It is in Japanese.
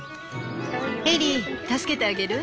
エリー助けてあげる？